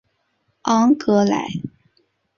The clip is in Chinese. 昂格莱。